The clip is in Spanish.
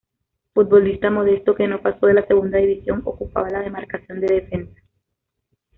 Futbolista modesto que no pasó de la Segunda División, ocupaba la demarcación de defensa.